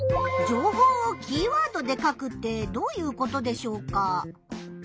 情報をキーワードで書くってどういうことでしょうか？